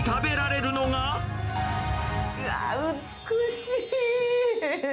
うわー、美しい！